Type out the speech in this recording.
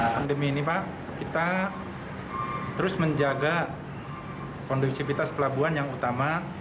pandemi ini pak kita terus menjaga kondusivitas pelabuhan yang utama